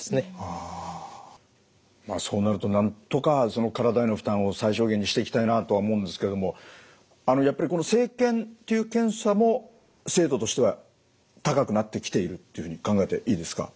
そうなるとなんとか体への負担を最小限にしていきたいなとは思うんですけどもやっぱり生検という検査も精度としては高くなってきているっていうふうに考えていいですか？